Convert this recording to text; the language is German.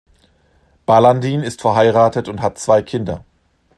Balandin ist verheiratet und hat zwei Kinder.